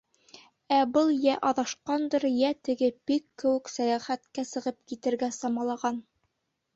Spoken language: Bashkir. Ә был йә аҙашҡандыр, йә теге Пик кеүек сәйәхәткә сығып китергә самалаған.